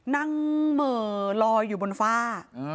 เหมือลอยอยู่บนฝ้า